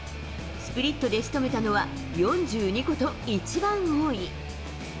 スプリットでしとめたのは、４２個と一番多い。